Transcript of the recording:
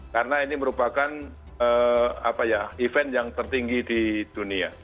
karena ini merupakan event yang tertinggi di dunia